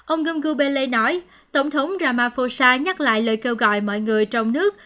ông gumbele nói tổng thống ramaphosa nhắc lại lời kêu gọi mọi người trong nước